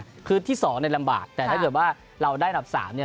คือที่สองเนี่ยลำบากแต่ถ้าเกิดว่าเราได้อันดับ๓เนี่ย